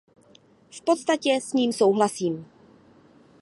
V podstatě s ním souhlasím.